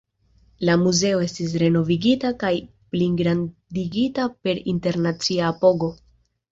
La muzeo estis renovigita kaj pligrandigita per internacia apogo.